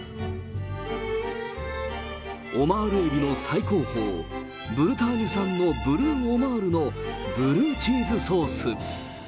オマールエビの最高峰、ブルターニュ産のブルーオマールのブルーチーズソース。